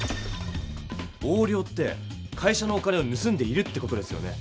横領って会社のお金をぬすんでいるって事ですよね。